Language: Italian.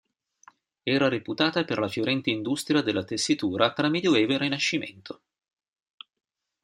Era reputata per la fiorente industria della tessitura tra medioevo e rinascimento.